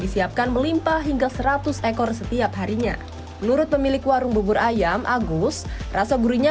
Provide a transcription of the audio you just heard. disiapkan melimpa hingga seratus ekor setiap harinya menurut pemilik warung bubur ayam agus rasa gurihnya